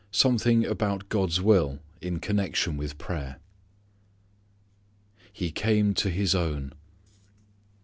" Something about God's Will in Connection With Prayer He Came to His Own.